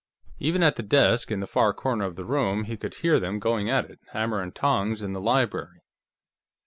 Even at the desk, in the far corner of the room, he could hear them going at it, hammer and tongs, in the library.